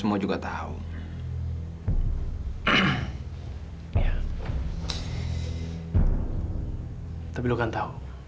utanku juga tidak langsung kecewa